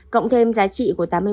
cộng thêm giá trị của tám mươi một